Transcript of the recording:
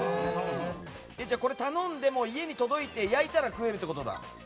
これ、頼んで家に届いて焼いたら食えるってことだ。